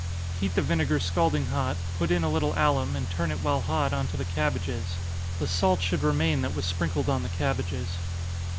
Heat the vinegar scalding hot, put in a little alum, and turn it while hot on to the cabbages the salt should remain that was sprinkled on the cabbages.